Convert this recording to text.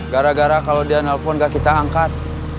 gara gara kalau dia nelpon gak kita angkat